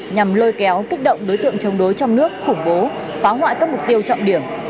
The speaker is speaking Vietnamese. nhằm lôi kéo kích động đối tượng chống đối trong nước khủng bố phá hoại các mục tiêu trọng điểm